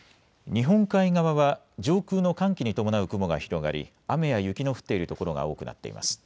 日本海側は上空の寒気に伴う雲が広がり雨や雪の降っている所が多くなっています。